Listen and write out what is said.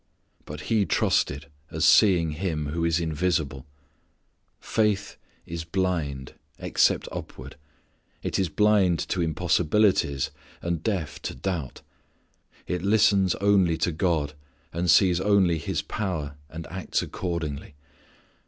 But He trusted as seeing Him who is invisible. Faith is blind, except upward. It is blind to impossibilities and deaf to doubt. It listens only to God and sees only His power and acts accordingly.